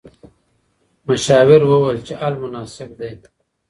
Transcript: مشاور وویل چې حل مناسب دی.